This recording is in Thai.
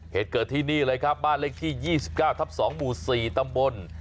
เหตุเกิดที่นี่เลยครับบ้านเลขที่๒๙ทับ๒หมู่๔ตำบล